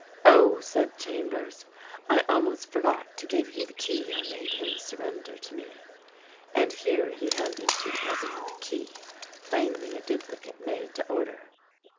"Oh," said Chambers, "I almost forgot to give you the key I made him surrender to me." And here he handed to the president a key — plainly a duplicate made to order.